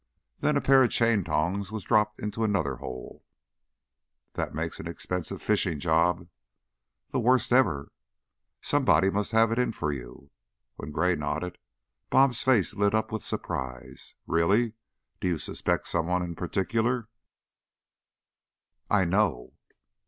Then a pair of chaintongs was dropped into another hole " "That makes an expensive fishing job." "The worst ever." "Somebody must have it in for you." When Gray nodded, "Bob's" face lit up with surprise. "Really. Do you suspect someone in particular?" "I know."